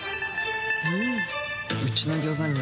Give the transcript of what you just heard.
うん。